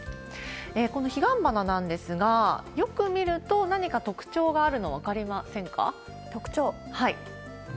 このヒガンバナなんですが、よく見ると、何か特徴があるの、分かりませんか？